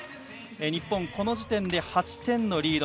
日本、この時点で８点のリード。